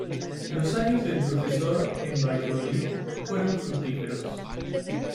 Los años de profesor en Valladolid fueron fructíferos.